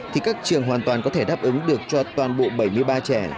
thì các trường hoàn toàn có thể đáp ứng được cho toàn bộ bảy mươi ba trẻ